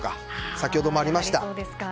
先ほどもありました。